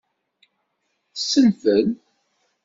Tessenfel.